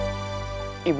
aku sangat rindukan ibu